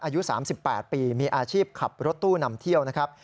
อายุ๓๘ปีมีอาชีพขับรถตู้นำเที่ยวนะครับ